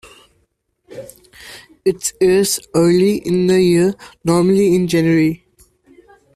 It airs early in the year, normally in January.